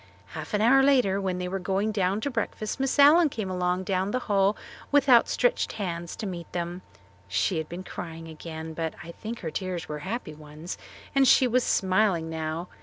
Half an hour later when they were going down to breakfast Miss Allen came along the hall with outstretched hands to meet them. She had been crying again, but I think her tears were happy ones; and she was smiling now.